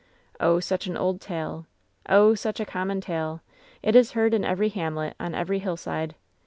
"Oh, such an old tale. Oh, such a common tale. It is heard in every hamlet, on every hillside.